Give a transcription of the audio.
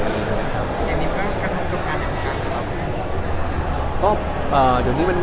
อันนี้ก็ทำจบการอากาศหรือเปล่า